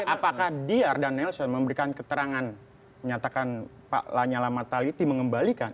apakah diar dan nelson memberikan keterangan menyatakan pak lanyala mataliti mengembalikan